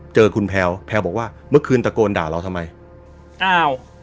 เจอคุณแพลวแพลวบอกว่าเมื่อคืนตะโกนด่าเราทำไมอ้าว